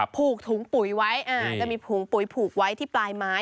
ผูกถุงปุ๋ยไว้จะมีถุงปุ๋ยผูกไว้ที่ปลายไม้